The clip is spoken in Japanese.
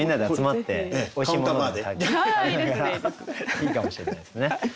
いいかもしれないですね。